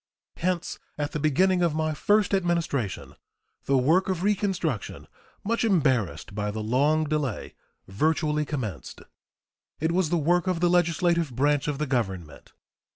Hence at the beginning of my first Administration the work of reconstruction, much embarrassed by the long delay, virtually commenced. It was the work of the legislative branch of the Government.